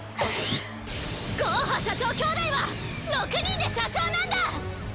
ゴーハ社長兄弟は６人で社長なんだ！